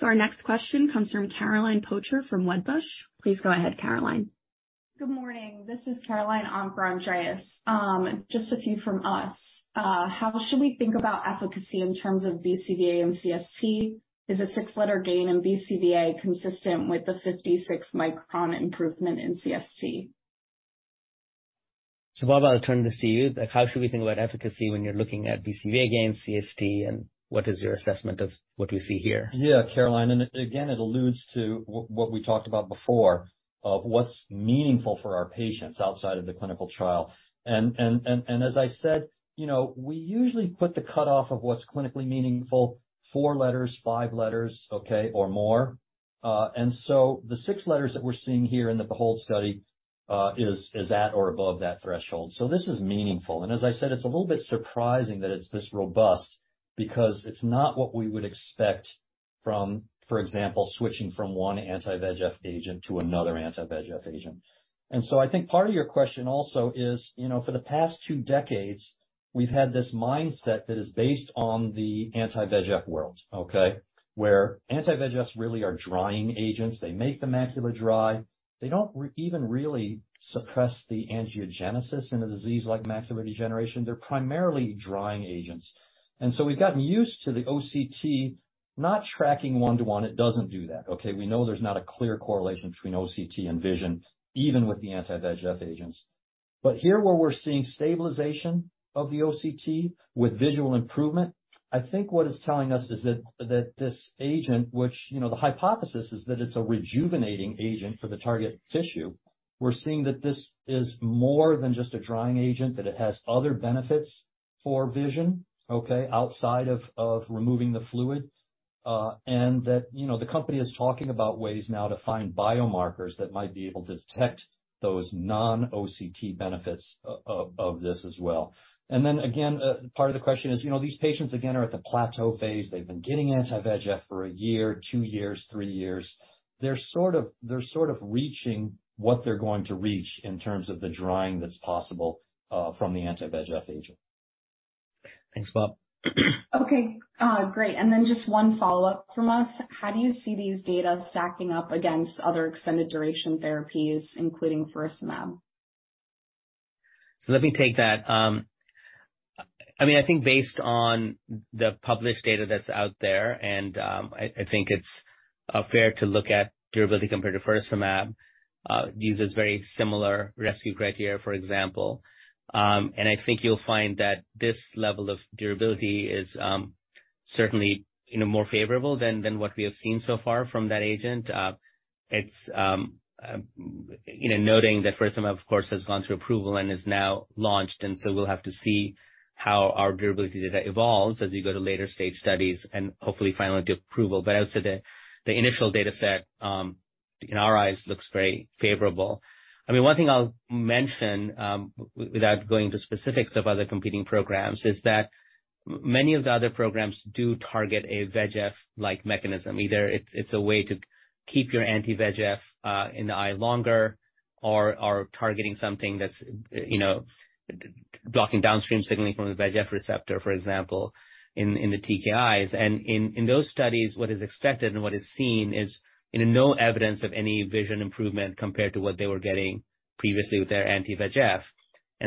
Our next question comes from Caroline Palomeque from Wedbush. Please go ahead, Caroline. Good morning. This is Caroline on for Andreas. Just a few from us. How should we think about efficacy in terms of BCVA and CST? Is a six-letter gain in BCVA consistent with the 56-micron improvement in CST? Bob, I'll turn this to you. Like how should we think about efficacy when you're looking at BCVA gain, CST, and what is your assessment of what we see here? Yeah, Caroline, again, it alludes to what we talked about before of what's meaningful for our patients outside of the clinical trial. As I said, you know, we usually put the cutoff of what's clinically meaningful, four letters, five letters, okay, or more. The six letters that we're seeing here in the BEHOLD study is at or above that threshold. This is meaningful. As I said, it's a little bit surprising that it's this robust because it's not what we would expect from, for example, switching from one anti-VEGF agent to another anti-VEGF agent. I think part of your question also is, you know, for the past two decades we've had this mindset that is based on the anti-VEGF world, okay? Where anti-VEGFs really are drying agents. They make the macula dry. They don't even really suppress the angiogenesis in a disease like macular degeneration. They're primarily drying agents. We've gotten used to the OCT not tracking one to one. It doesn't do that, okay? We know there's not a clear correlation between OCT and vision, even with the anti-VEGF agents. Here, where we're seeing stabilization of the OCT with visual improvement, I think what it's telling us is that this agent, which, you know, the hypothesis is that it's a rejuvenating agent for the target tissue. We're seeing that this is more than just a drying agent, that it has other benefits for vision, okay? Outside of removing the fluid. That, you know, the company is talking about ways now to find biomarkers that might be able to detect those non-OCT benefits of this as well. Then again, part of the question is, you know, these patients again are at the plateau phase. They've been getting anti-VEGF for a year, two years, three years. They're sort of reaching what they're going to reach in terms of the drying that's possible from the anti-VEGF agent. Thanks, Bob. Okay. Great. Then just one follow-up from us. How do you see these data stacking up against other extended duration therapies, including faricimab? Let me take that. I mean, I think based on the published data that's out there, and, I think it's fair to look at durability compared to faricimab. It uses very similar rescue criteria, for example. And I think you'll find that this level of durability is certainly, you know, more favorable than what we have seen so far from that agent. It's, you know, noting that faricimab, of course, has gone through approval and is now launched, and so we'll have to see how our durability data evolves as we go to later stage studies and hopefully final approval. I would say the initial data set, in our eyes looks very favorable. I mean, one thing I'll mention, without going into specifics of other competing programs, is that many of the other programs do target a VEGF-like mechanism. Either it's a way to keep your anti-VEGF in the eye longer or are targeting something that's, you know, blocking downstream signaling from the VEGF receptor, for example, in the TKIs. In those studies, what is expected and what is seen is no evidence of any vision improvement compared to what they were getting previously with their anti-VEGF.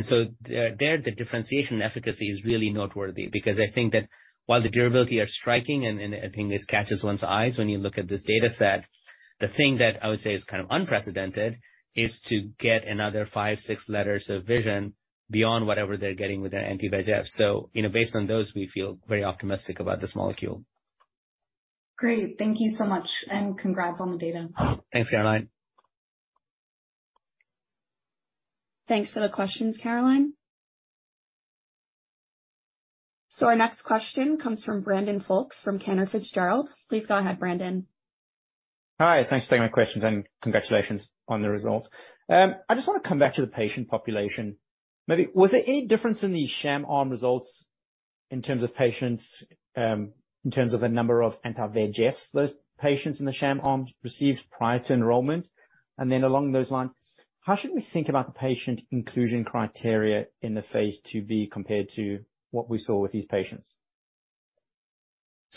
So there the differentiation efficacy is really noteworthy because I think that while the durability are striking, and I think this catches one's eyes when you look at this data set, the thing that I would say is kind of unprecedented is to get another five, six letters of vision beyond whatever they're getting with their anti-VEGF. you know, based on those, we feel very optimistic about this molecule. Great. Thank you so much, congrats on the data. Thanks, Caroline. Thanks for the questions, Caroline. Our next question comes from Brandon Folkes from Cantor Fitzgerald. Please go ahead, Brandon. Hi. Thanks for taking my questions, and congratulations on the results. I just want to come back to the patient population. Maybe was there any difference in the sham arm results in terms of patients, in terms of the number of anti-VEGFs those patients in the sham arms received prior to enrollment? Along those lines, how should we think about the patient inclusion criteria in the Phase 2b compared to what we saw with these patients?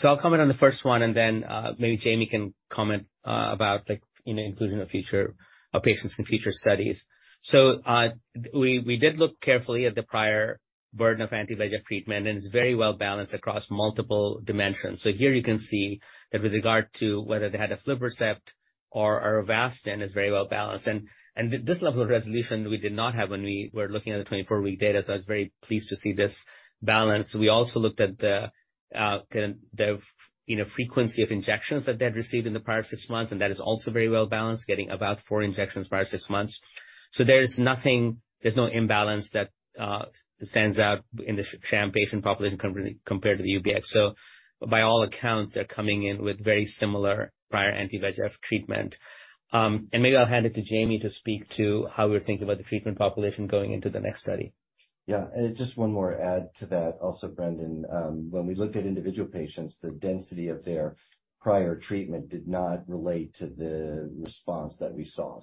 I'll comment on the first one, and then maybe Jamie can comment about like, you know, including the future patients in future studies. We did look carefully at the prior burden of anti-VEGF treatment, and it's very well-balanced across multiple dimensions. Here you can see that with regard to whether they had aflibercept or Avastin is very well-balanced. This level of resolution we did not have when we were looking at the 24-week data, so I was very pleased to see this balance. We also looked at the, you know, frequency of injections that they had received in the prior six months, and that is also very well-balanced, getting about four injections prior six months. There's nothing, there's no imbalance that stands out in the sham patient population compared to the UBX. By all accounts, they're coming in with very similar prior anti-VEGF treatment. Maybe I'll hand it to Jamie to speak to how we're thinking about the treatment population going into the next study. Just one more add to that also, Brandon. When we looked at individual patients, the density of their prior treatment did not relate to the response that we saw.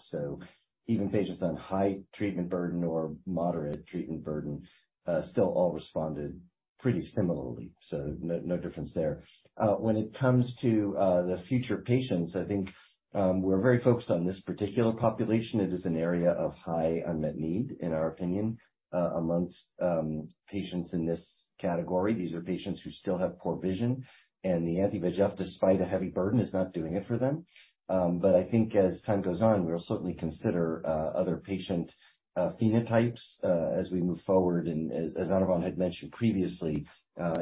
Even patients on high treatment burden or moderate treatment burden, still all responded pretty similarly. No difference there. When it comes to the future patients, I think, we're very focused on this particular population. It is an area of high unmet need, in our opinion, amongst patients in this category. These are patients who still have poor vision, and the anti-VEGF, despite a heavy burden, is not doing it for them. I think as time goes on, we will certainly consider other patient phenotypes as we move forward. As Anirvan had mentioned previously,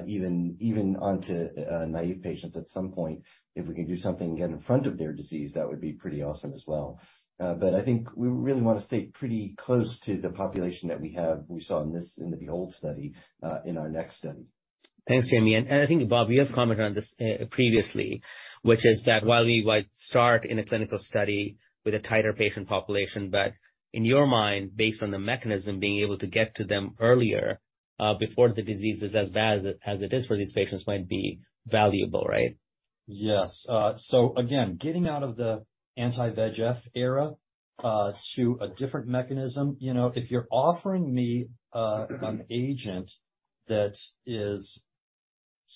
even onto naive patients at some point, if we can do something get in front of their disease, that would be pretty awesome as well. I think we really want to stay pretty close to the population that we saw in this, in the BEHOLD study, in our next study. Thanks, Jamie. I think, Bob, you have commented on this previously, which is that while we might start in a clinical study with a tighter patient population, but in your mind, based on the mechanism, being able to get to them earlier, before the disease is as bad as it is for these patients might be valuable, right? Yes. So again, getting out of the anti-VEGF era, to a different mechanism, you know, if you're offering me, an agent that is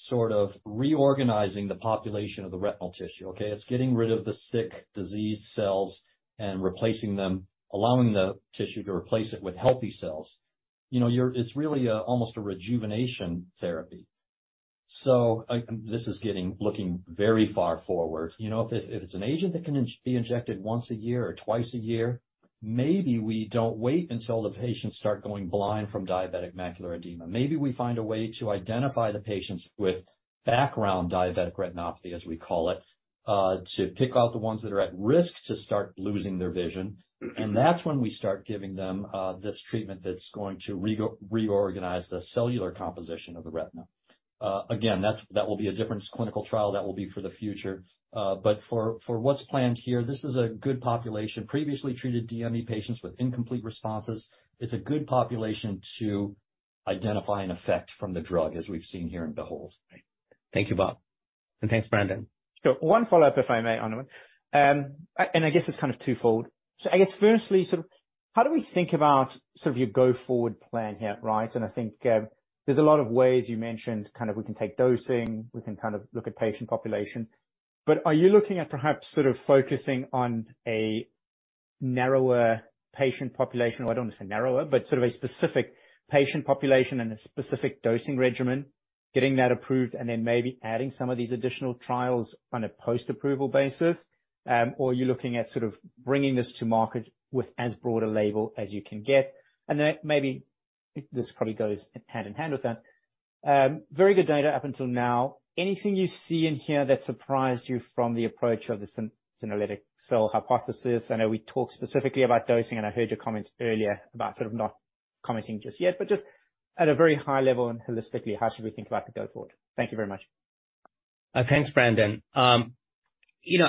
sort of reorganizing the population of the retinal tissue, okay, it's getting rid of the sick diseased cells and replacing them, allowing the tissue to replace it with healthy cells. You know, it's really, almost a rejuvenation therapy. This is getting looking very far forward. You know, if it's an agent that can be injected once a year or twice a year, maybe we don't wait until the patients start going blind from diabetic macular edema. Maybe we find a way to identify the patients with background diabetic retinopathy, as we call it, to pick out the ones that are at risk to start losing their vision. That's when we start giving them this treatment that's going to reorganize the cellular composition of the retina. Again, that will be a different clinical trial. That will be for the future. For what's planned here, this is a good population. Previously treated DME patients with incomplete responses. It's a good population to identify an effect from the drug, as we've seen here in BEHOLD. Thank you, Bob. Thanks, Brandon. One follow-up, if I may, Anirvan, and I guess it's kind of twofold. I guess firstly, sort of how do we think about sort of your go-forward plan here, right? I think there's a lot of ways you mentioned kind of we can take dosing, we can kind of look at patient populations. Are you looking at perhaps sort of focusing on a narrower patient population? Well, I don't want to say narrower, but sort of a specific patient population and a specific dosing regimen, getting that approved and then maybe adding some of these additional trials on a post-approval basis? Or are you looking at sort of bringing this to market with as broad a label as you can get? Then maybe this probably goes hand in hand with that. Very good data up until now. Anything you see in here that surprised you from the approach of the senolytic cell hypothesis? I know we talked specifically about dosing, and I heard your comments earlier about sort of not commenting just yet, but just at a very high level and holistically, how should we think about the go forward? Thank you very much. Thanks, Brandon. you know,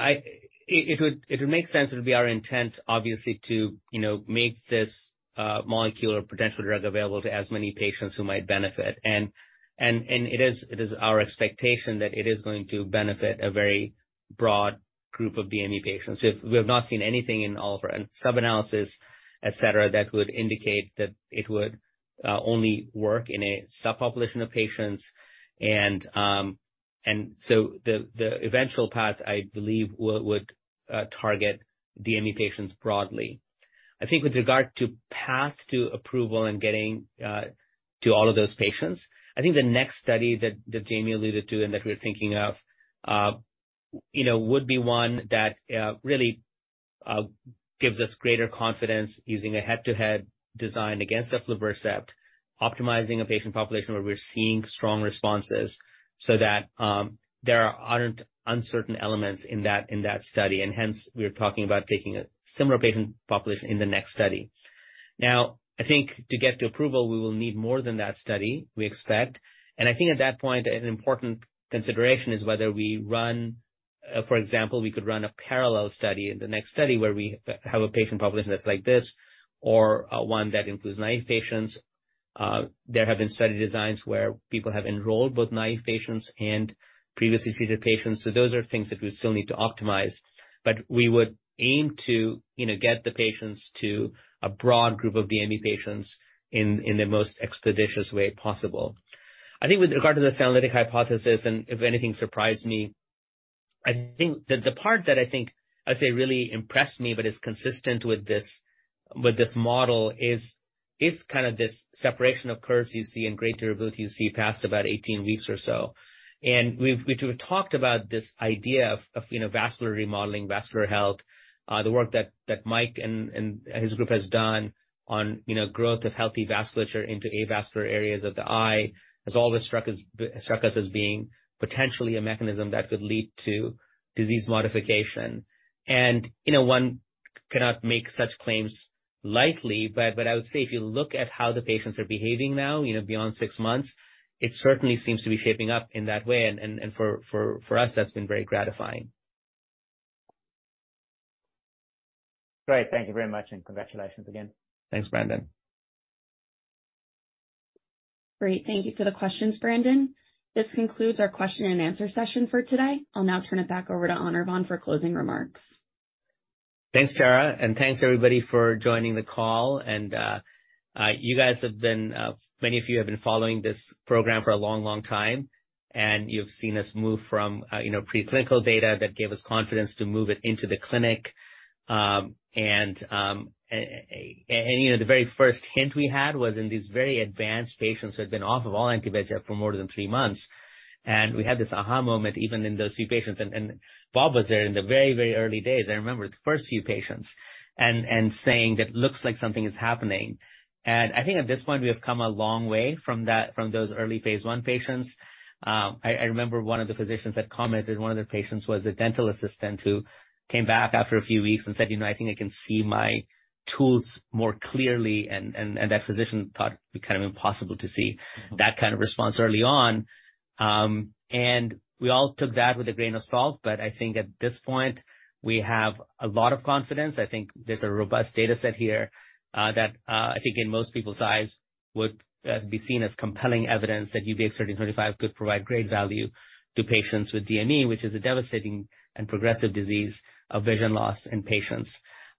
it would make sense. It would be our intent, obviously, to, you know, make this molecule or potential drug available to as many patients who might benefit. It is our expectation that it is going to benefit a very broad group of DME patients. We have not seen anything in all of our sub-analysis, et cetera, that would indicate that it would only work in a subpopulation of patients. So the eventual path, I believe, would target DME patients broadly. I think with regard to path to approval and getting to all of those patients, I think the next study that Jamie alluded to and that we're thinking of, you know, would be one that really gives us greater confidence using a head-to-head design against aflibercept, optimizing a patient population where we're seeing strong responses so that there aren't uncertain elements in that study. Hence, we're talking about taking a similar patient population in the next study. Now, I think to get to approval, we will need more than that study, we expect. I think at that point, an important consideration is whether we run, for example, we could run a parallel study in the next study where we have a patient population that's like this or one that includes naive patients. There have been study designs where people have enrolled both naive patients and previously treated patients. Those are things that we still need to optimize. We would aim to, you know, get the patients to a broad group of DME patients in the most expeditious way possible. I think with regard to the senolytic hypothesis, and if anything surprised me, I think that the part that I think I'd say really impressed me but is consistent with this, with this model is kind of this separation of curves you see and greater durability you see past about 18 weeks or so. We've talked about this idea of, you know, vascular remodeling, vascular health. The work that Mike and his group has done on, you know, growth of healthy vasculature into avascular areas of the eye, has all struck us as being potentially a mechanism that could lead to disease modification. You know, one cannot make such claims lightly, but I would say if you look at how the patients are behaving now, you know, beyond six months, it certainly seems to be shaping up in that way. For us, that's been very gratifying. Great. Thank you very much. Congratulations again. Thanks, Brandon. Great. Thank you for the questions, Brandon. This concludes our question and answer session for today. I'll now turn it back over to Anirvan for closing remarks. Thanks, Sarah. Thanks, everybody, for joining the call. You guys have been many of you have been following this program for a long, long time, and you've seen us move from, you know, pre-clinical data that gave us confidence to move it into the clinic. You know, the very first hint we had was in these very advanced patients who had been off of all anti-VEGF for more than three months. We had this aha moment even in those few patients. Bob was there in the very, very early days. I remember the first few patients and saying that looks like something is happening. I think at this point, we have come a long way from that, from those early Phase 1 patients. I remember one of the physicians had commented one of their patients was a dental assistant who came back after a few weeks and said, "You know, I think I can see my tools more clearly." That physician thought it'd be kind of impossible to see that kind of response early on. We all took that with a grain of salt, but I think at this point, we have a lot of confidence. I think there's a robust data set here, that I think in most people's eyes would be seen as compelling evidence that UBX1325 could provide great value to patients with DME, which is a devastating and progressive disease of vision loss in patients.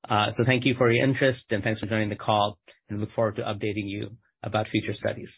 Thank you for your interest, and thanks for joining the call, and look forward to updating you about future studies.